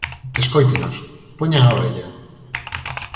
Escóitenos, poñan a orella.